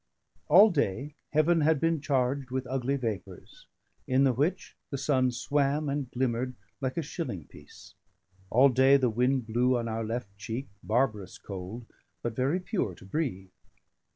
All day heaven had been charged with ugly vapours, in the which the sun swam and glimmered like a shilling piece; all day the wind blew on our left cheek barbarous cold, but very pure to breathe.